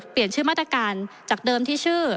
เปลี่ยนชื่อมาตรการจากเดิมที่ชื่อ